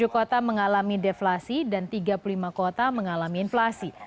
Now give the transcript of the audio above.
tujuh kota mengalami deflasi dan tiga puluh lima kota mengalami inflasi